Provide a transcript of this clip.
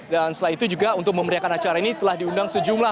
dan setelah itu juga untuk memberiakan acara ini telah diundang sejumlah